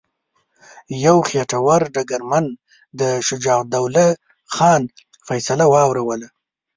یو خیټور ډګرمن د شجاع الدین خان فیصله واوروله.